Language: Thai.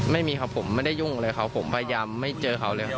ไม่มีครับผมไม่ได้ยุ่งเลยครับผมพยายามไม่เจอเขาเลย